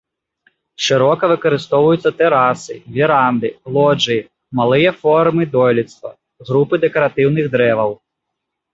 Шырока выкарыстоўваюцца тэрасы, веранды, лоджыі, малыя формы дойлідства, групы дэкаратыўных дрэваў.